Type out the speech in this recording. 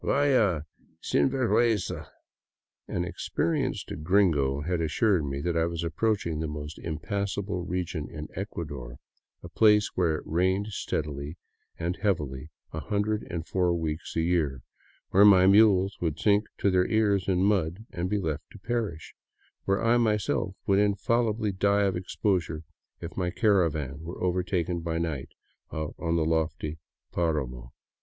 Vaya, sinvergiienza !" An experienced gringo had assured me I was approaching the most impassable region in Ecuador, a place where it rained steadily and heavily a hundred and four weeks a year, where my mules would sink to their ears in mud and be left to perish, where I myself would infallibly die of exposure if my caravan were overtaken by night out on the lofty paramo.